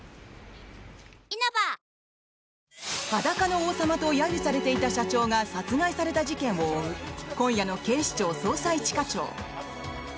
裸の王様と揶揄されていた社長が殺害された事件を追う今夜の「警視庁・捜査一課長」。